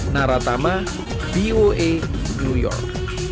naratama boe new york